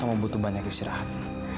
kamu butuh banyak istirahat